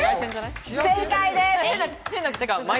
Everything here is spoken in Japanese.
正解です。